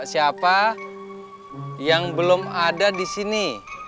siapa yang belum ada di sini